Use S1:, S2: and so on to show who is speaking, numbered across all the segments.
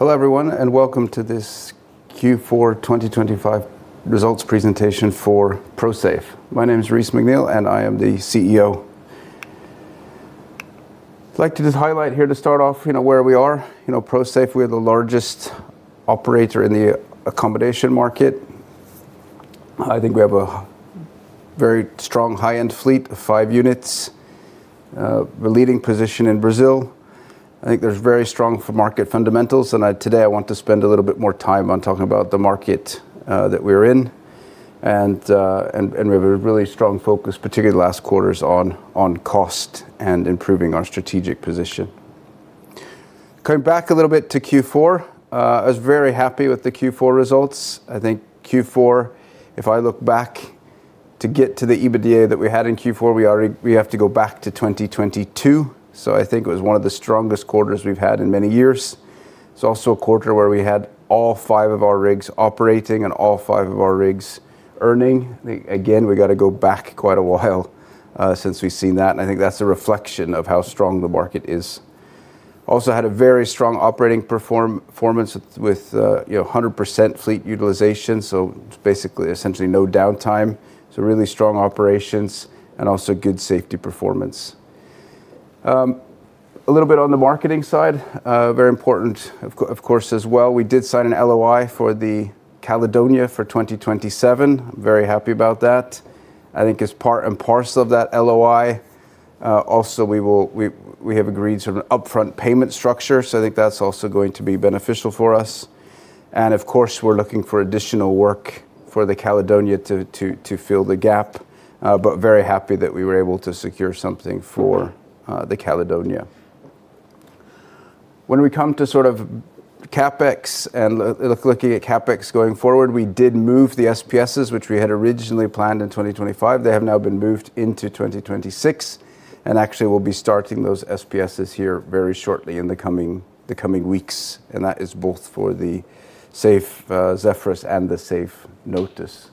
S1: Hello, everyone, welcome to this Q4 2025 results presentation for Prosafe. My name is Reese McNeel. I am the CEO. I'd like to just highlight here, to start off, you know, where we are. You know, Prosafe, we are the largest operator in the accommodation market. I think we have a very strong high-end fleet of five units, the leading position in Brazil. I think there's very strong for market fundamentals. Today, I want to spend a little bit more time on talking about the market that we're in. We have a really strong focus, particularly last quarters, on cost and improving our strategic position. Going back a little bit to Q4, I was very happy with the Q4 results. I think Q4, if I look back to get to the EBITDA that we had in Q4, we have to go back to 2022. I think it was one of the strongest quarters we've had in many years. It's also a quarter where we had all five of our rigs operating and all five of our rigs earning. Again, we got to go back quite a while since we've seen that, and I think that's a reflection of how strong the market is. Also had a very strong operating performance with, you know, 100% fleet utilization, so basically essentially no downtime, so really strong operations and also good safety performance. A little bit on the marketing side, very important, of course, as well. We did sign an LOI for the Caledonia for 2027. Very happy about that. I think as part and parcel of that LOI, also we have agreed to an upfront payment structure, so I think that's also going to be beneficial for us. Of course, we're looking for additional work for the Caledonia to fill the gap, but very happy that we were able to secure something for the Caledonia. When we come to sort of CapEx and looking at CapEx going forward, we did move the SPSs, which we had originally planned in 2025. They have now been moved into 2026. Actually, we'll be starting those SPSs here very shortly in the coming weeks, and that is both for the Safe Zephyrus and the Safe Notos.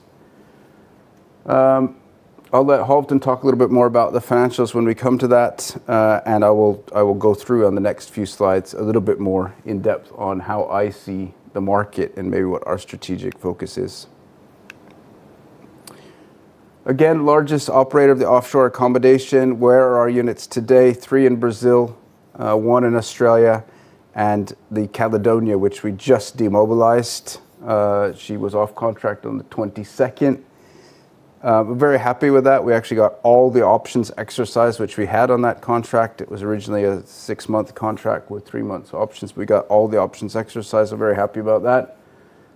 S1: I'll let Halton talk a little bit more about the financials when we come to that, and I will go through on the next few slides, a little bit more in depth on how I see the market and maybe what our strategic focus is. Again, largest operator of the offshore accommodation. Where are our units today? Three in Brazil, One in Australia, and the Caledonia, which we just demobilized. She was off contract on the 22nd. We're very happy with that. We actually got all the options exercised, which we had on that contract. It was originally a six-month contract with three months options. We got all the options exercised. We're very happy about that,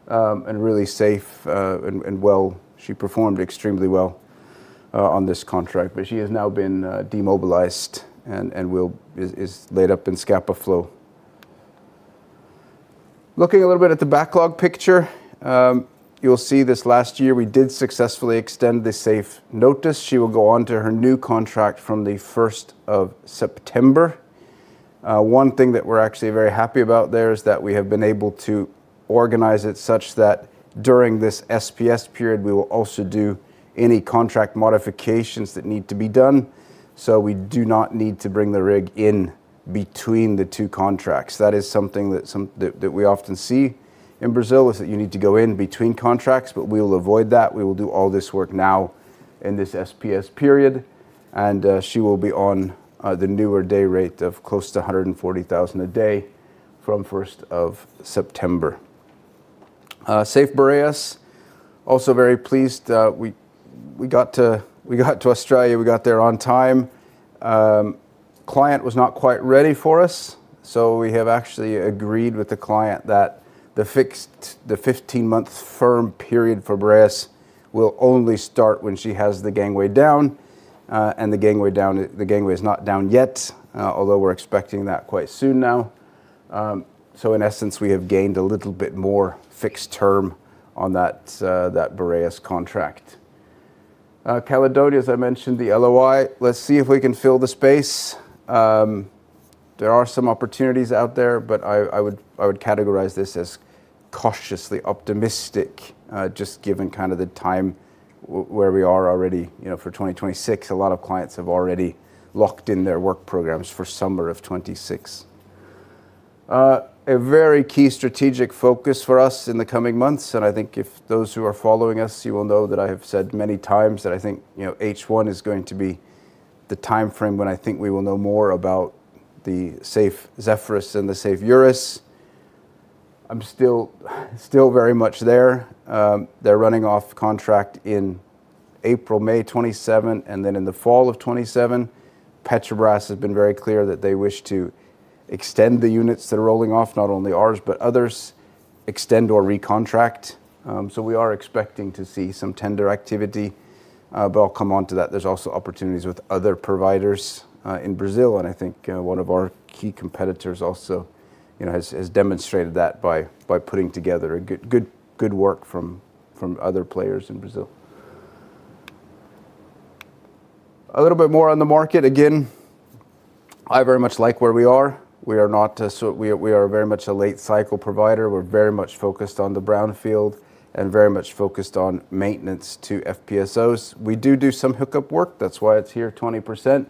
S1: and really safe, and well... She performed extremely well on this contract. She has now been demobilized and is laid up in Scapa Flow. Looking a little bit at the backlog picture, you'll see this last year, we did successfully extend the Safe Notos. She will go on to her new contract from the first of September. One thing that we're actually very happy about there is that we have been able to organize it such that during this SPS period, we will also do any contract modifications that need to be done. We do not need to bring the rig in between the two contracts. That is something that we often see in Brazil, is that you need to go in between contracts. We will avoid that. We will do all this work now in this SPS period, she will be on the newer day rate of close to $140,000 a day from 1st of September. Safe Boreas, also very pleased that we got to Australia. We got there on time. Client was not quite ready for us, we have actually agreed with the client that the 15-month firm period for Boreas will only start when she has the gangway down, and the gangway is not down yet, although we're expecting that quite soon now. In essence, we have gained a little bit more fixed term on that Boreas contract. Caledonia, as I mentioned, the LOI. Let's see if we can fill the space. There are some opportunities out there, I would categorize this as cautiously optimistic, just given kind of the time where we are already. You know, for 2026, a lot of clients have already locked in their work programs for summer of 2026. A very key strategic focus for us in the coming months, I think if those who are following us, you will know that I have said many times that I think, you know, H1 is going to be the timeframe when I think we will know more about the Safe Zephyrus and the Safe Eurus. I'm still very much there. They're running off contract in April, May 2027, then in the fall of 2027. Petrobras has been very clear that they wish to extend the units that are rolling off, not only ours, but others, extend or recontract. We are expecting to see some tender activity, but I'll come on to that. There's also opportunities with other providers in Brazil, I think one of our key competitors also, you know, has demonstrated that by putting together a good work from other players in Brazil. A little bit more on the market. Again, I very much like where we are. We are not, we are very much a late cycle provider. We're very much focused on the brownfield and very much focused on maintenance to FPSOs. We do some hookup work. That's why it's here, 20%.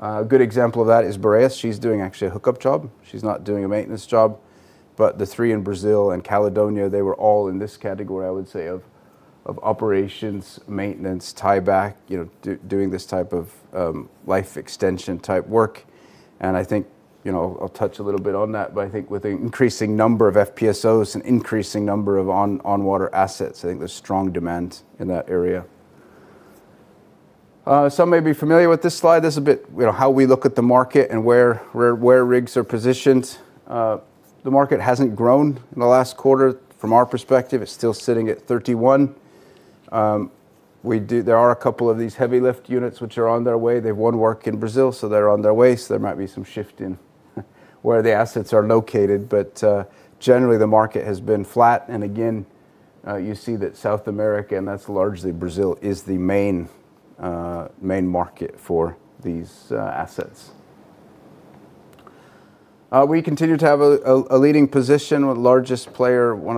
S1: A good example of that is Boreas. She's doing actually a hookup job. She's not doing a maintenance job, but the three in Brazil and Caledonia, they were all in this category, I would say, of operations, maintenance, tie back, you know, doing this type of, life extension type work. I think, you know, I'll touch a little bit on that, but I think with the increasing number of FPSOs and increasing number of on-water assets, I think there's strong demand in that area. Some may be familiar with this slide. This is a bit, you know, how we look at the market and where, where rigs are positioned. The market hasn't grown in the last quarter. From our perspective, it's still sitting at 31. There are a couple of these heavy lift units which are on their way. They have one work in Brazil, they're on their way, there might be some shift in where the assets are located. Generally, the market has been flat, and again, you see that South America, and that's largely Brazil, is the main market for these assets. We continue to have a leading position with one of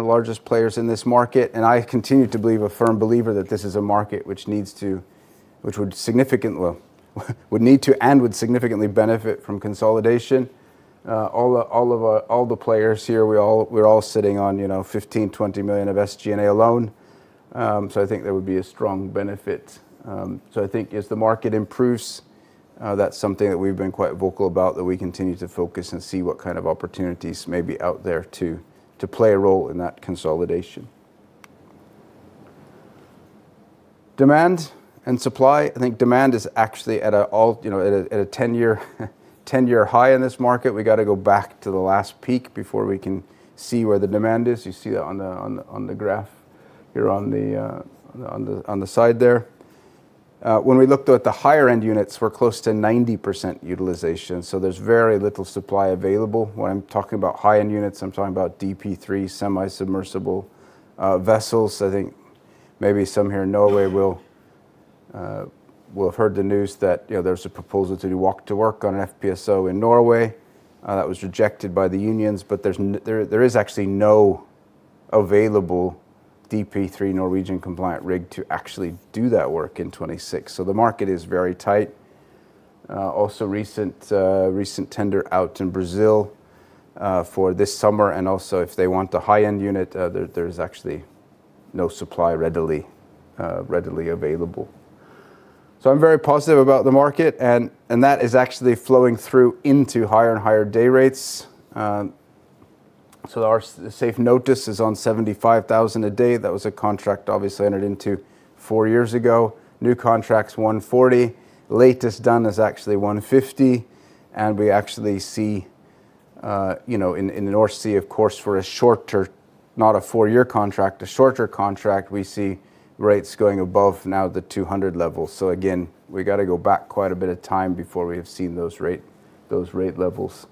S1: the largest players in this market, and I continue to believe, a firm believer, that this is a market which needs to and would significantly benefit from consolidation. All the players here, we're all sitting on, you know, $15 million-20 million of SG&A alone. I think there would be a strong benefit. I think as the market improves, that's something that we've been quite vocal about, that we continue to focus and see what kind of opportunities may be out there to play a role in that consolidation. Demand and supply. I think demand is actually at a 10-year high in this market. We got to go back to the last peak before we can see where the demand is. You see that on the graph here on the side there. When we looked at the higher-end units, we're close to 90% utilization, there's very little supply available. When I'm talking about high-end units, I'm talking about DP3 semi-submersible vessels. I think maybe some here in Norway will have heard the news that, you know, there's a proposal to Walk-to-Work on an FPSO in Norway that was rejected by the unions, but there is actually no available DP3 Norwegian-compliant rig to actually do that work in 2026. The market is very tight. Also recent tender out in Brazil for this summer, and also if they want the high-end unit, there's actually no supply readily available. I'm very positive about the market, and that is actually flowing through into higher and higher day rates. So our Safe Notos is on $75,000 a day. That was a contract obviously entered into four years ago. New contract's $140, latest done is actually $150. We actually see, you know, in the North Sea, of course, for a shorter, not a four-year contract, a shorter contract, we see rates going above now the $200 level. Again, we got to go back quite a bit of time before we have seen those rate levels.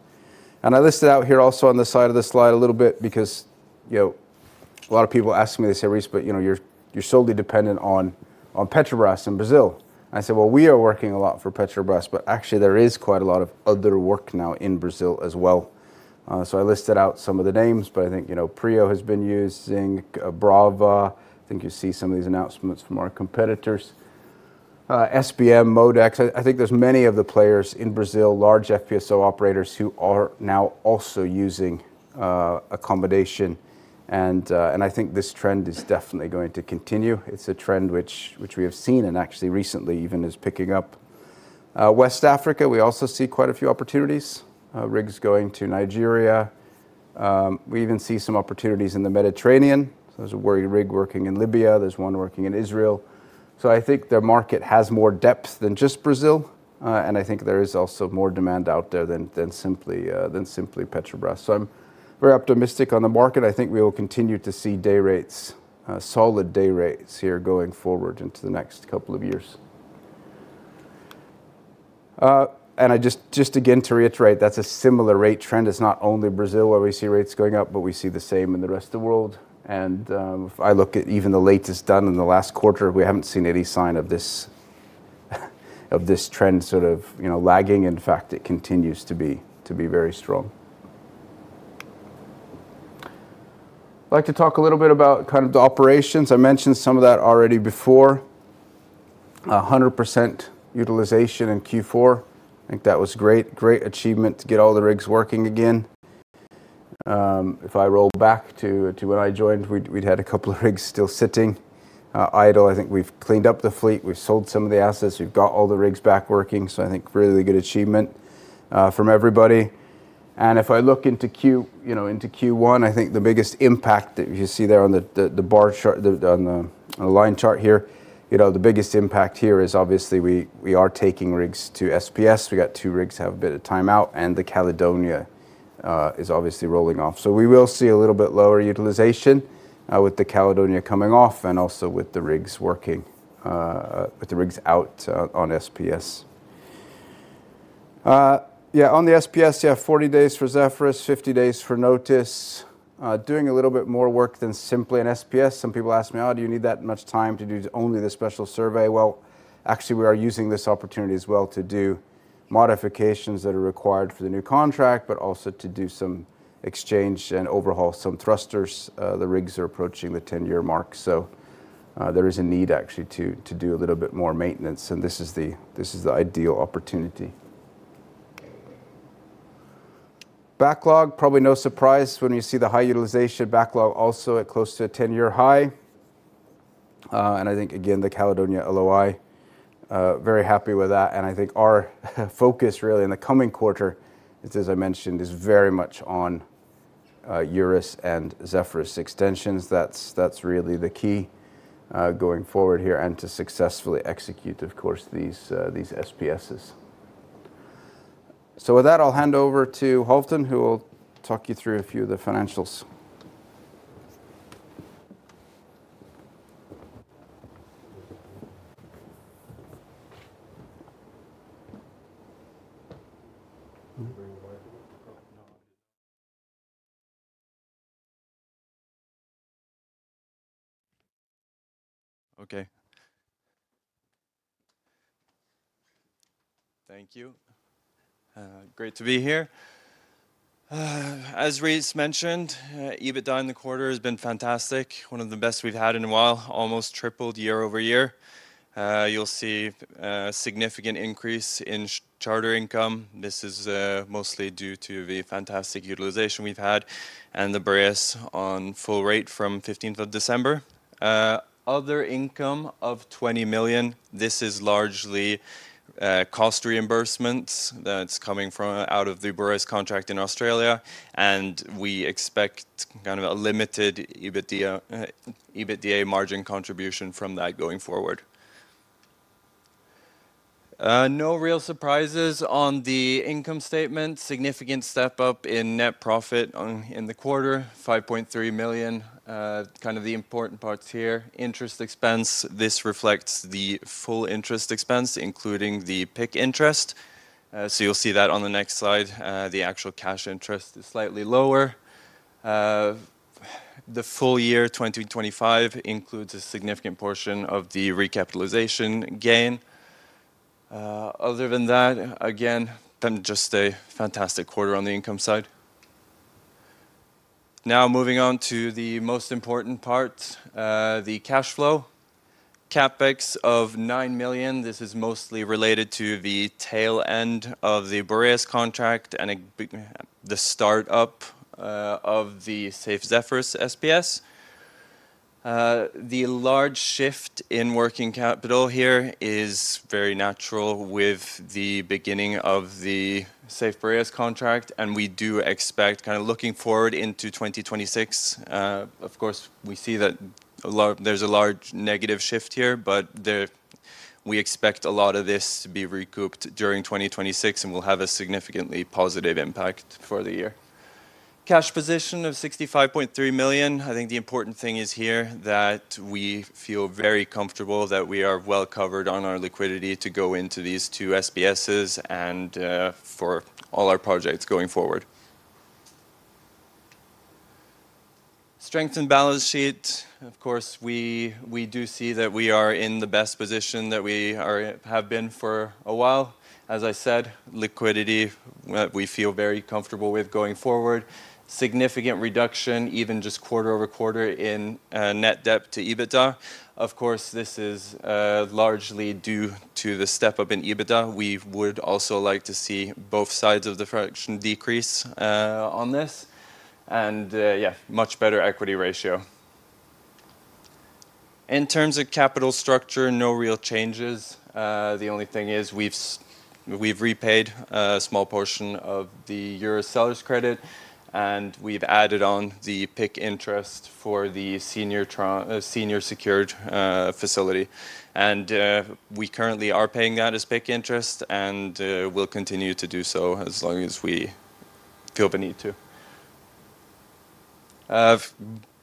S1: I listed out here also on the side of the slide a little bit because, you know, a lot of people ask me, they say, "Reese, you know, you're solely dependent on Petrobras in Brazil." I say, "Well, we are working a lot for Petrobras, actually there is quite a lot of other work now in Brazil as well." I listed out some of the names. I think, you know, PRIO has been using Brava. I think you see some of these announcements from our competitors. SBM, MODEC, I think there's many of the players in Brazil, large FPSO operators, who are now also using accommodation, and I think this trend is definitely going to continue. It's a trend which we have seen and actually recently even is picking up. West Africa, we also see quite a few opportunities, rigs going to Nigeria. We even see some opportunities in the Mediterranean. There's a uncertain working in Libya, there's one working in Israel. I think the market has more depth than just Brazil, and I think there is also more demand out there than simply Petrobras. I'm very optimistic on the market. I think we will continue to see day rates, solid day rates here going forward into the next couple of years. I just again to reiterate, that's a similar rate trend. It's not only Brazil where we see rates going up, but we see the same in the rest of the world. If I look at even the latest done in the last quarter, we haven't seen any sign of this trend sort of, you know, lagging. In fact, it continues to be very strong. I'd like to talk a little bit about kind of the operations. I mentioned some of that already before. 100% utilization in Q4. I think that was great achievement to get all the rigs working again. If I roll back to when I joined, we'd had two rigs still sitting idle. I think we've cleaned up the fleet, we've sold some of the assets, we've got all the rigs back working, so I think really good achievement from everybody. If I look into Q1, I think the biggest impact that you see there on the bar chart, on the line chart here, you know, the biggest impact here is obviously we are taking rigs to SPS. We got two rigs, have a bit of time out, and the Caledonia is obviously rolling off. We will see a little bit lower utilization with the Caledonia coming off and also with the rigs working with the rigs out on SPS. Yeah, on the SPS, you have 40 days for Zephyrus, 50 days for Notos, doing a little bit more work than simply an SPS. Some people ask me, "Oh, do you need that much time to do only the special survey?" Well, actually, we are using this opportunity as well to do modifications that are required for the new contract, but also to do some exchange and overhaul some thrusters. The rigs are approaching the 10-year mark, there is a need actually to do a little bit more maintenance, and this is the ideal opportunity. Backlog, probably no surprise when you see the high utilization backlog also at close to a 10-year high. I think, again, the Caledonia LOI, very happy with that, and I think our focus really in the coming quarter, is as I mentioned, is very much on Eurus and Zephyrus extensions. That's really the key going forward here, and to successfully execute, of course, these SPSs. With that, I'll hand over to Halvdan, who will talk you through a few of the financials.
S2: Okay. Thank you. Great to be here. As Reese mentioned, EBITDA in the quarter has been fantastic, one of the best we've had in a while, almost tripled year-over-year. You'll see a significant increase in charter income. This is mostly due to the fantastic utilization we've had and the Boreas on full rate from 15th of December. Other income of $20 million, this is largely cost reimbursements that's coming from out of the Boreas contract in Australia, and we expect kind of a limited EBITDA margin contribution from that going forward. No real surprises on the income statement. Significant step up in net profit in the quarter, $5.3 million. Kind of the important parts here, interest expense, this reflects the full interest expense, including the PIK interest. You'll see that on the next slide. The actual cash interest is slightly lower. The full year 2025 includes a significant portion of the recapitalization gain. Other than that, again, just a fantastic quarter on the income side. Moving on to the most important part, the cash flow. CapEx of $9 million, this is mostly related to the tail end of the Boreas contract and the start up of the Safe Zephyrus SPS. The large shift in working capital here is very natural with the beginning of the Safe Boreas contract, we do expect kind of looking forward into 2026, of course, we see that a large... There's a large negative shift here, but we expect a lot of this to be recouped during 2026, and will have a significantly positive impact for the year. Cash position of $65.3 million. I think the important thing is here that we feel very comfortable that we are well covered on our liquidity to go into these two SPSs and for all our projects going forward. Strengthened balance sheet. Of course, we do see that we are in the best position that we are, have been for a while. As I said, liquidity, we feel very comfortable with going forward. Significant reduction, even just quarter-over-quarter in net debt to EBITDA. Of course, this is largely due to the step up in EBITDA. We would also like to see both sides of the fraction decrease on this, and yeah, much better equity ratio. In terms of capital structure, no real changes. The only thing is we've we've repaid a small portion of the Eurus Seller's Credit, and we've added on the PIK interest for the senior secured facility. We currently are paying out as PIK interest and we'll continue to do so as long as we feel the need to.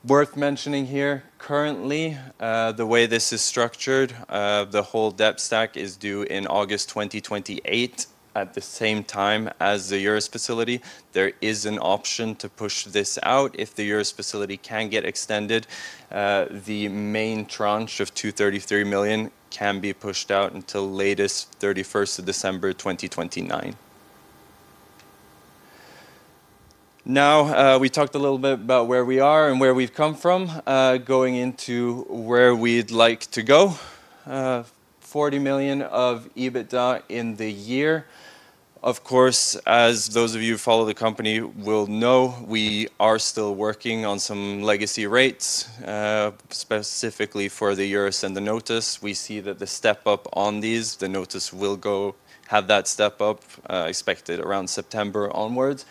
S2: Worth mentioning here, currently, the way this is structured, the whole debt stack is due in August 2028, at the same time as the Eurus facility. There is an option to push this out. If the Eurus facility can get extended, the main tranche of $233 million can be pushed out until latest 31st of December, 2029. We talked a little bit about where we are and where we've come from. Going into where we'd like to go. $40 million of EBITDA in the year. Of course, as those of you who follow the company will know, we are still working on some legacy rates, specifically for the Eurus and the Safe Notos. We see that the step up on these, the Safe Notos, will go have that step up, expected around September onwards.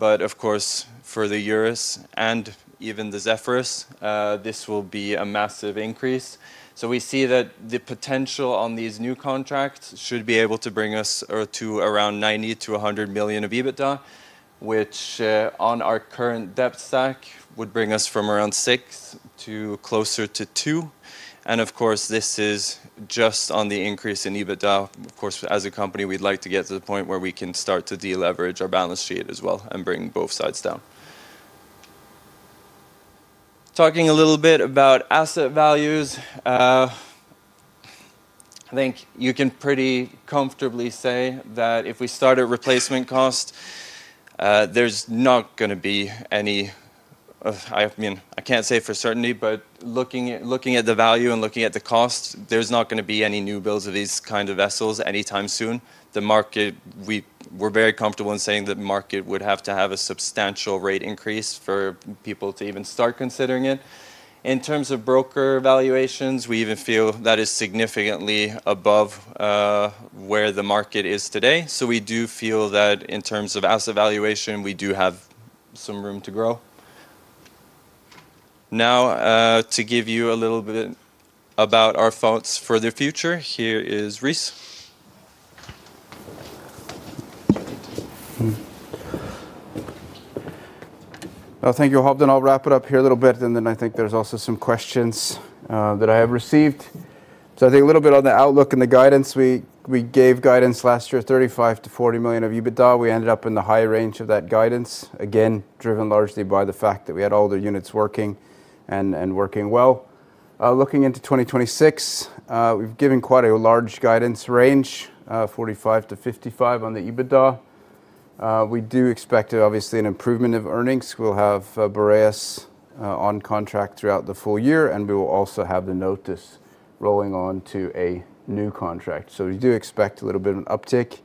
S2: Of course, for the Eurus and even the Safe Zephyrus, this will be a massive increase. We see that the potential on these new contracts should be able to bring us to around $90 million-100 million of EBITDA, which on our current debt stack, would bring us from around six to closer to two. Of course, this is just on the increase in EBITDA. Of course, as a company, we'd like to get to the point where we can start to deleverage our balance sheet as well and bring both sides down. Talking a little bit about asset values. I think you can pretty comfortably say that if we start a replacement cost, there's not gonna be any, I mean, I can't say for certainty, but looking at, looking at the value and looking at the cost, there's not gonna be any new builds of these kind of vessels anytime soon. The market, we're very comfortable in saying that the market would have to have a substantial rate increase for people to even start considering it. In terms of broker valuations, we even feel that is significantly above where the market is today. We do feel that in terms of asset valuation, we do have some room to grow. To give you a little bit about our thoughts for the future, here is Reese.
S1: Thank you, Halvdan. I'll wrap it up here a little bit, and then I think there's also some questions that I have received. I think a little bit on the outlook and the guidance. We gave guidance last year, $35 million-40 million of EBITDA. We ended up in the high range of that guidance, again, driven largely by the fact that we had all the units working and working well. Looking into 2026, we've given quite a large guidance range, $45 million-55 million on the EBITDA. We do expect, obviously, an improvement of earnings. We'll have Boreas on contract throughout the full year, and we will also have the Notos rolling on to a new contract. We do expect a little bit of an uptick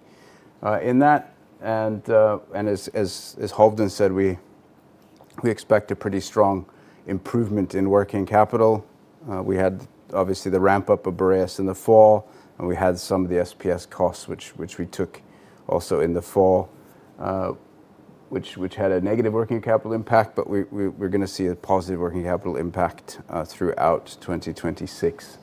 S1: in that. As Halvdan said, we expect a pretty strong improvement in working capital. We had obviously the ramp-up of Boreas in the fall, and we had some of the SPS costs, which we took also in the fall, which had a negative working capital impact, but we're gonna see a positive working capital impact throughout 2026.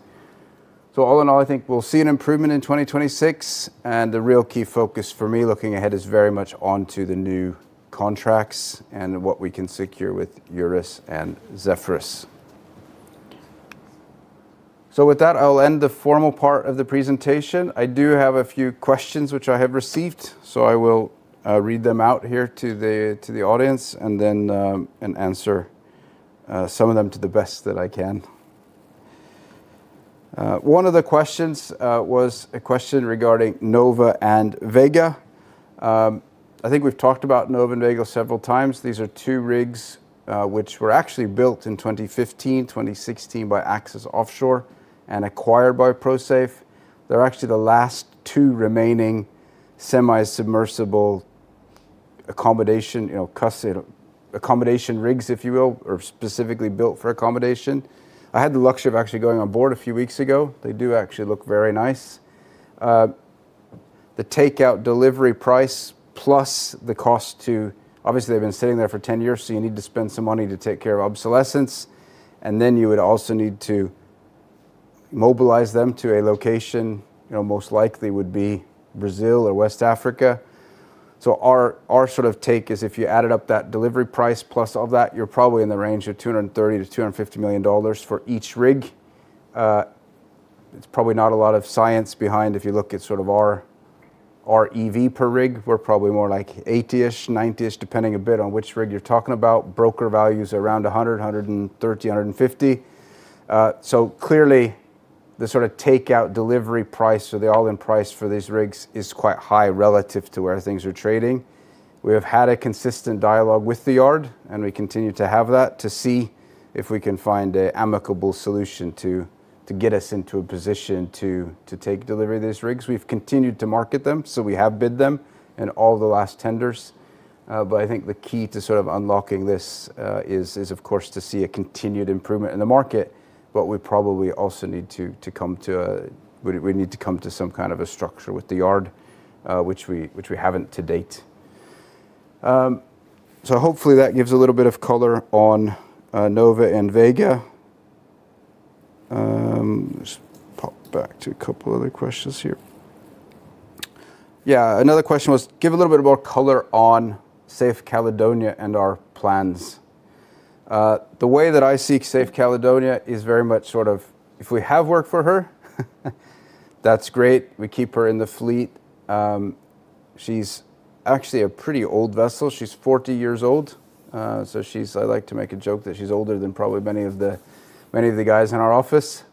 S1: All in all, I think we'll see an improvement in 2026, and the real key focus for me, looking ahead, is very much onto the new contracts and what we can secure with Eurus and Zephyrus. With that, I'll end the formal part of the presentation. I do have a few questions which I have received, so I will read them out here to the audience, and then answer some of them to the best that I can. One of the questions was a question regarding Nova and Vega. I think we've talked about Nova and Vega several times. These are two rigs which were actually built in 2015, 2016 by Axis Offshore and acquired by Prosafe. They're actually the last two remaining semi-submersible accommodation, you know, accommodation rigs, if you will, or specifically built for accommodation. I had the luxury of actually going on board a few weeks ago. They do actually look very nice. The takeout delivery price, plus the cost to... Obviously, they've been sitting there for 10 years, you need to spend some money to take care of obsolescence, and then you would also need to mobilize them to a location, you know, most likely would be Brazil or West Africa. Our sort of take is if you added up that delivery price, plus all that, you're probably in the range of $230 million-250 million for each rig. It's probably not a lot of science behind if you look at sort of our EV per rig, we're probably more like 80-ish, 90-ish, depending a bit on which rig you're talking about. Broker value is around $100, $130, $150. Clearly, the sort of takeout delivery price or the all-in price for these rigs is quite high relative to where things are trading. We have had a consistent dialogue with the yard. We continue to have that, to see if we can find an amicable solution to get us into a position to take delivery of these rigs. We've continued to market them. We have bid them in all the last tenders. I think the key to sort of unlocking this is of course to see a continued improvement in the market. We probably also need to come to some kind of a structure with the yard, which we haven't to date. Hopefully that gives a little bit of color on Nova and Vega. Just pop back to a couple other questions here. Another question was, give a little bit more color on Safe Caledonia and our plans. The way that I see Safe Caledonia is very much sort of if we have work for her, that's great, we keep her in the fleet. She's actually a pretty old vessel. She's 40 years old. So I like to make a joke that she's older than probably many of the guys in our office.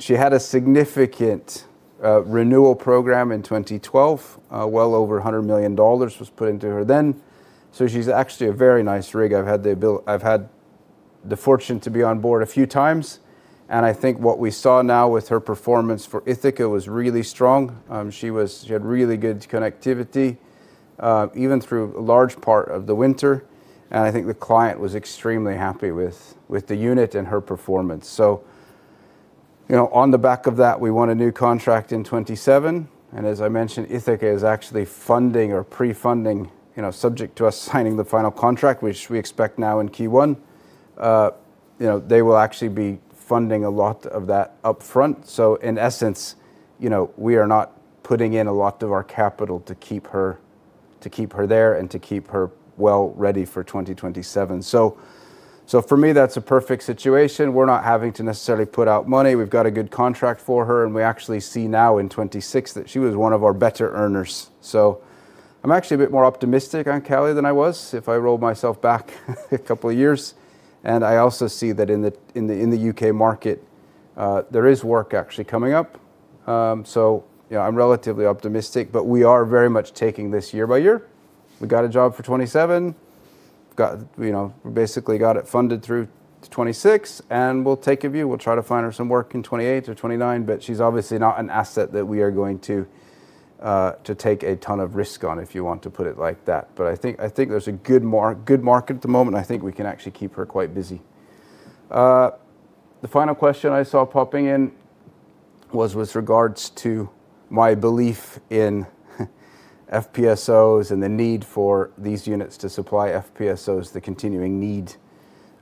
S1: She had a significant, renewal program in 2012. Well over $100 million was put into her then, so she's actually a very nice rig. I've had the fortune to be on board a few times, and I think what we saw now with her performance for Ithaca was really strong. She had really good connectivity, even through a large part of the winter, and I think the client was extremely happy with the unit and her performance. You know, on the back of that, we won a new contract in 2027, and as I mentioned, Ithaca is actually funding or pre-funding, you know, subject to us signing the final contract, which we expect now in Q1. You know, they will actually be funding a lot of that upfront. In essence, you know, we are not putting in a lot of our capital to keep her there and to keep her well ready for 2027. For me, that's a perfect situation. We're not having to necessarily put out money. We've got a good contract for her. We actually see now in 2026 that she was one of our better earners. I'm actually a bit more optimistic on Callie than I was, if I roll myself back a couple of years. I also see that in the UK market, there is work actually coming up. You know, I'm relatively optimistic, but we are very much taking this year by year. We got a job for 2027. We've got, you know, basically got it funded through to 2026. We'll take a view. We'll try to find her some work in 2028 or 2029, but she's obviously not an asset that we are going to to take a ton of risk on, if you want to put it like that. I think there's a good market at the moment, I think we can actually keep her quite busy. The final question I saw popping in was with regards to my belief in FPSOs and the need for these units to supply FPSOs, the continuing need,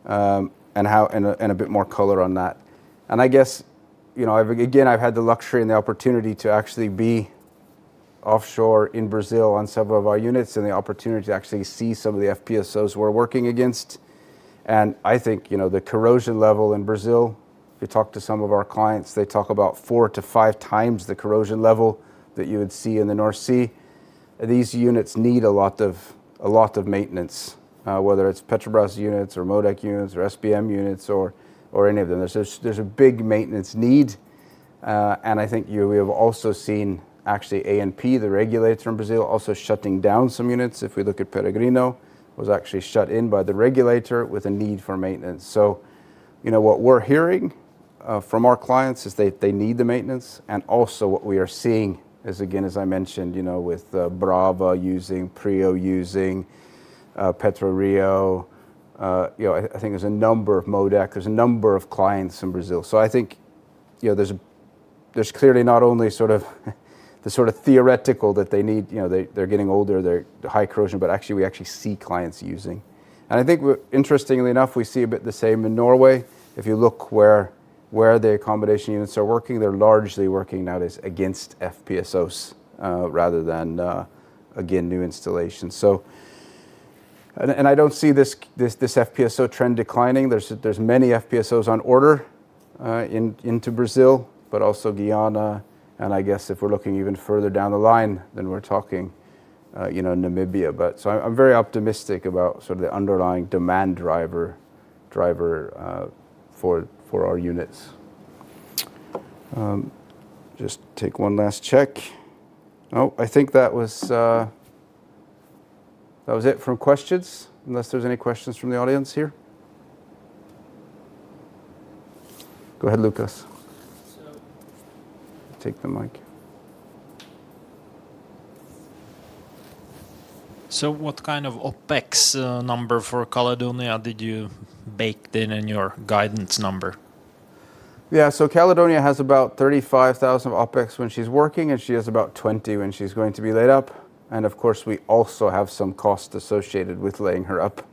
S1: a bit more color on that. I guess, you know, I've, again, I've had the luxury and the opportunity to actually be offshore in Brazil on several of our units, and the opportunity to actually see some of the FPSOs we're working against. I think, you know, the corrosion level in Brazil, if you talk to some of our clients, they talk about 4-5x the corrosion level that you would see in the North Sea. These units need a lot of maintenance, whether it's Petrobras units or MODEC units, or SBM units, or any of them. There's a big maintenance need, and I think we have also seen, actually, ANP, the regulators from Brazil, also shutting down some units. If we look at Peregrino, was actually shut in by the regulator with a need for maintenance. you know, what we're hearing from our clients, is they need the maintenance, and also, what we are seeing is, again, as I mentioned, you know, with Safe Brava using, PRIO using, PetroRio, you know, I think there's a number of clients in Brazil. I think, you know, there's clearly not only sort of the sort of theoretical that they need, you know, they're getting older, they're high corrosion, but actually, we actually see clients using. I think interestingly enough, we see a bit the same in Norway. If you look where the accommodation units are working, they're largely working nowadays against FPSOs, rather than again, new installations. I don't see this FPSO trend declining. There's many FPSOs on order in, into Brazil, but also Guyana, and I guess if we're looking even further down the line, then we're talking, you know, Namibia. I'm very optimistic about sort of the underlying demand driver for our units. Just take one last check. Nope, I think that was it from questions, unless there's any questions from the audience here? Go ahead, Lukas.
S3: So-
S1: Take the mic.
S3: What kind of OpEx number for Caledonia did you bake in in your guidance number?
S1: Caledonia has about $35,000 of OpEx when she's working, and she has about $20,000 when she's going to be laid up. Of course, we also have some costs associated with laying her up.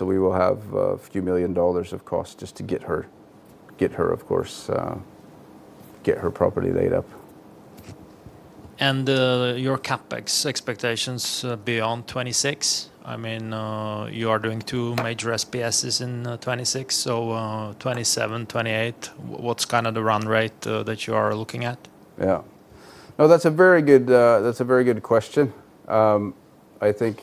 S1: We will have a few million dollars of cost just to get her, of course, get her properly laid up.
S3: Your CapEx expectations beyond 2026? I mean, you are doing two major SPSs in 2026, 2027, 2028, what's kind of the run rate that you are looking at?
S1: Yeah. No, that's a very good, that's a very good question. I think,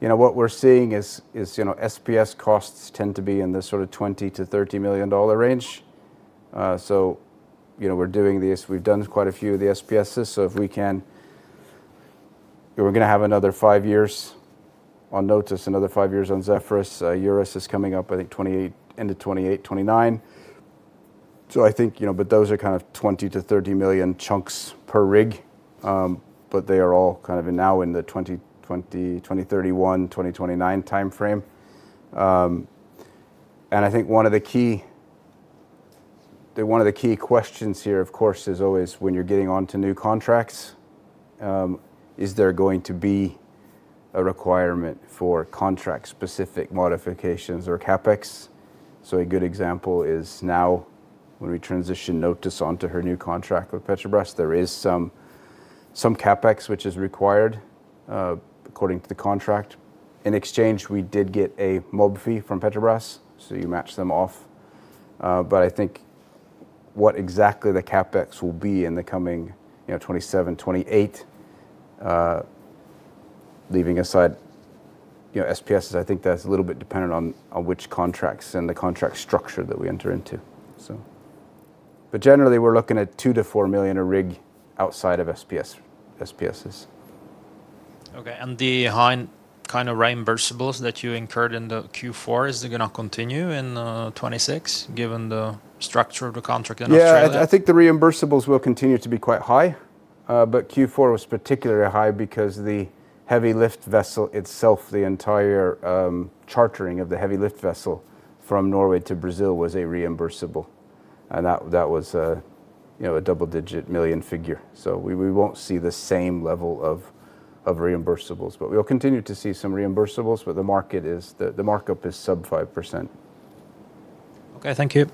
S1: you know, what we're seeing is, you know, SPS costs tend to be in the sort of $20 million-30 million range. You know, we're doing this. We've done quite a few of the SPSs. We're gonna have another five years on Notos, another five years on Zephyrus. Eurus is coming up, I think 2028, end of 2028, 2029. I think, those are kind of $20 million-$30 million chunks per rig, they are all kind of now in the 2020, 2031, 2029 timeframe. I think one of the key, one of the key questions here, of course, is always when you're getting onto new contracts, is there going to be a requirement for contract-specific modifications or CapEx? A good example is, now, when we transition Safe Notos onto her new contract with Petrobras, there is some CapEx which is required, according to the contract. In exchange, we did get a mobilization fee from Petrobras, you match them off. I think what exactly the CapEx will be in the coming, you know, 2027, 2028, leaving aside, you know, SPS, I think that's a little bit dependent on which contracts and the contract structure that we enter into. Generally, we're looking at $2 million-4 million a rig outside of SPSs.
S3: Okay, the high kind of reimbursables that you incurred in the Q4, is it gonna continue in 2026, given the structure of the contract in Australia?
S1: I think the reimbursables will continue to be quite high, but Q4 was particularly high because the heavy lift vessel itself, the entire chartering of the heavy lift vessel from Norway to Brazil was a reimbursable, and that was, you know, a double-digit million figure. We won't see the same level of reimbursables, but we'll continue to see some reimbursables, but the market is. The markup is sub 5%.
S3: Okay, thank you.